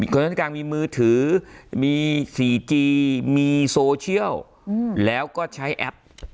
คนชั้นกลางมีมือถือมี๔จีมีโซเชียลแล้วก็ใช้แอป